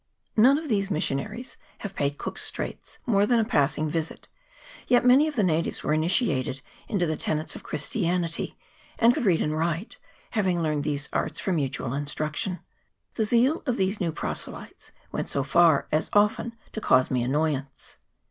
None of these missionaries have paid Cook's Straits more than a passing visit, yet many of the natives were initiated into the tenets of Christianity, and could read and write, having learned these arts from mutual instruction. The zeal of these new proselytes went so far as often to cause me annoyance.